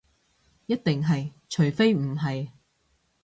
一定係，除非唔係